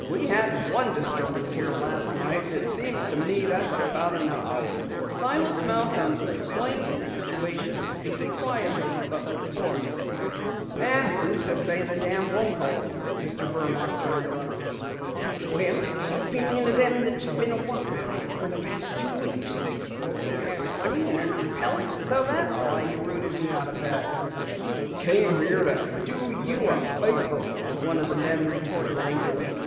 "We had one disturbance here last night and it seems to me that's about enough." Silas Malcom explained the situation, speaking quietly but with force. "And who says that the dam won't hold?" Mr. Burmaster interrupted. "Well, it's the opinion of them that's been workin' on it for the past two weeks. If we'd had money and enough help " "So that's why you rooted me out of bed!" "We came here to do you a favor!" one of the men retorted angrily.